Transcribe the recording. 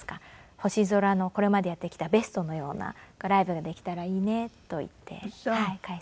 「『星空』のこれまでやってきたベストのようなライブができたらいいね」と言って開催します。